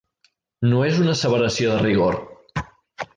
No és una asseveració de rigor.